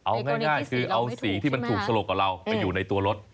เอาง่ายคือเอาสีที่มันถูกฉลกกับเราไปอยู่ในตัวรถ